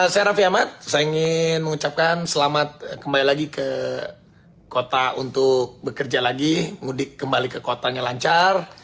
saya raffi ahmad saya ingin mengucapkan selamat kembali lagi ke kota untuk bekerja lagi mudik kembali ke kotanya lancar